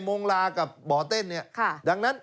มงลากับบ่อเต้นเนี่ยดังนั้น